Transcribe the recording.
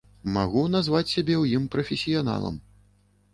Магу назваць сябе ў ім прафесіяналам.